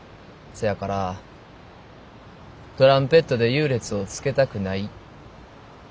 そやからトランペットで優劣をつけたくない。